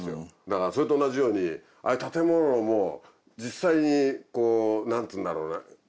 だからそれと同じようにああいう建物も実際に何ていうんだろうな。